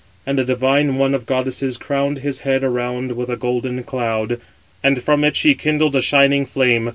And the divine one of goddesses crowned his head around with a golden cloud, and from it she kindled a shining flame.